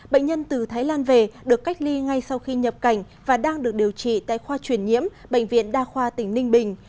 bệnh nhân từ thái lan về được cách ly ngay sau khi nhập cảnh và đang được điều trị tại khoa truyền nhiễm bệnh viện đa khoa tỉnh ninh bình